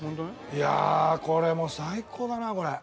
いやあこれもう最高だなこれ。